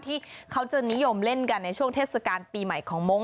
ที่เขาจะนิยมเล่นกันในช่วงเทศกาลปีใหม่ของมงค